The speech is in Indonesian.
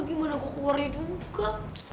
gimana kok keluar dia juga